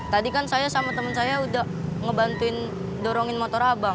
tadi kan saya sama teman saya udah ngebantuin dorongin motor abang